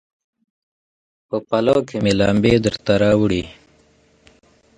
په پلو کې مې لمبې درته راوړي